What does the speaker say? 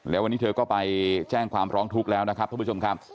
แล้ววันนี้เธอก็ไปแจ้งความร้องทุกข์แล้วนะครับท่านผู้ชมครับ